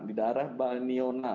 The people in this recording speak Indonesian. di daerah balniona